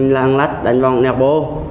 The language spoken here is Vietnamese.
lãng lách đánh võng nèo bô